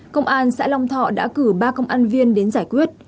công an xã long thọ đã cử ba công an viên đến giải quyết